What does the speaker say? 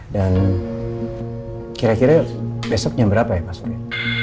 dan kira kira besoknya berapa ya pak suri